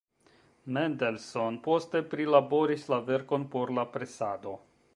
Mendelssohn poste prilaboris la verkon por la presado.